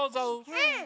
うん！